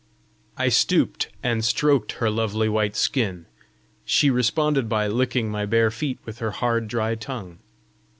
I stooped and stroked her lovely white skin; she responded by licking my bare feet with her hard dry tongue.